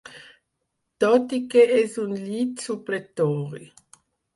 Tot i que es un llit supletori.